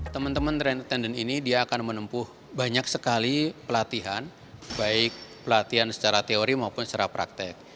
teman teman train attendant ini dia akan menempuh banyak sekali pelatihan baik pelatihan secara teori maupun secara praktek